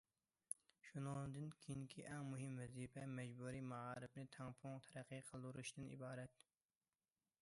شۇنىڭدىن كېيىنكى ئەڭ مۇھىم ۋەزىپە مەجبۇرىي مائارىپنى تەڭپۇڭ تەرەققىي قىلدۇرۇشتىن ئىبارەت.